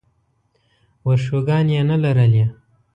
ورشوګانې یې نه لرلې.